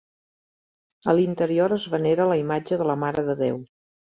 A l'interior es venera la imatge de la Mare de Déu.